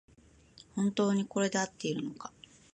本当にこれであっているのか